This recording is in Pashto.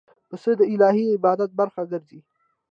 پسه د الهی عبادت برخه ګرځي.